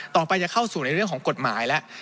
ต่อไปจะเข้าสู่ในเรื่องของกฎหมายแล้ว